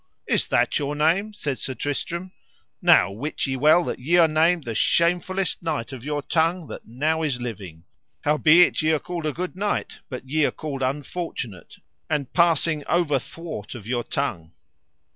Is that your name? said Sir Tristram, now wit ye well that ye are named the shamefullest knight of your tongue that now is living; howbeit ye are called a good knight, but ye are called unfortunate, and passing overthwart of your tongue.